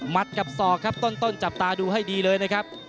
กับศอกครับต้นจับตาดูให้ดีเลยนะครับ